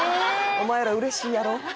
「お前ら嬉しいやろ？」